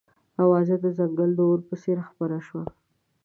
اوازه د ځنګله د اور په څېر خپره شوه.